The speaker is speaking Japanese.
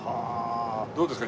どうですか？